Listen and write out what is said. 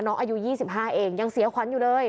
อายุ๒๕เองยังเสียขวัญอยู่เลย